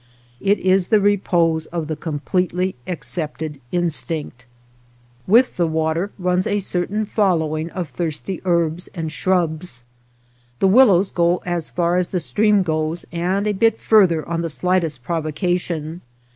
It is the repose of the completely accepted instinct. With the water runs a certain following of thirsty herbs and shrubs. The willows go as far as the stream goes, and a bit far ther on the slightest provocation.